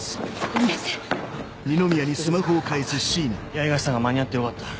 八重樫さんが間に合ってよかった。